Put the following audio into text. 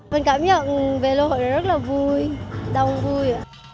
tôi cảm nhận về lễ hội rất là vui đông vui